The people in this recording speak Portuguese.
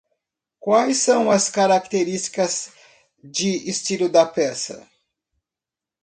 Quais são as características de estilo da peça?